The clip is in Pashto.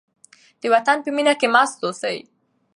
د وطن په مینه کې مست اوسئ.